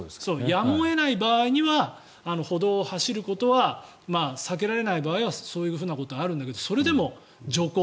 やむを得ない場合には歩道を走ることは避けられないことはそういうふうなことはあるんだけど、それでも徐行。